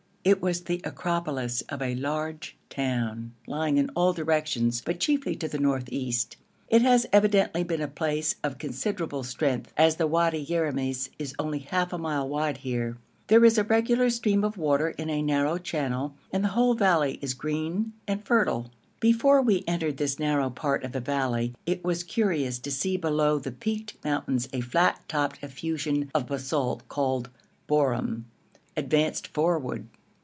It was the acropolis of a large town, lying in all directions, but chiefly to the north east. It has evidently been a place of considerable strength, as the Wadi Yeramis is only half a mile wide here. There is a regular stream of water in a narrow channel, and the whole valley is green and fertile. [Illustration: OLD NA'AB (By Theodore Bent)] Before we entered this narrow part of the valley, it was curious to see below the peaked mountains a flat topped effusion of basalt, called borum, advanced forward.